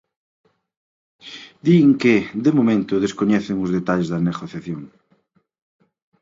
Din que, de momento, descoñecen os detalles da negociación.